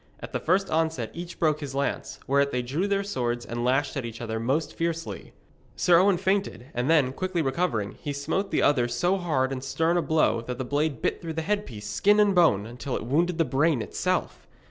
At the first onset each broke his lance; whereat they drew their swords and lashed at each other most fiercely. Sir Owen feinted, and then, quickly recovering, he smote the other so hard and stern a blow that the blade bit through headpiece, skin and bone, until it wounded the brain itself.